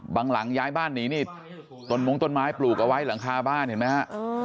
หลังย้ายบ้านหนีนี่ต้นมงต้นไม้ปลูกเอาไว้หลังคาบ้านเห็นไหมฮะ